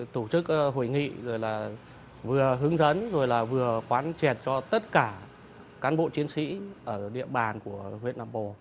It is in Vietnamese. tổ chức hội nghị rồi là vừa hướng dẫn rồi là vừa quán chẹt cho tất cả cán bộ chiến sĩ ở địa bàn của huyện nam bồ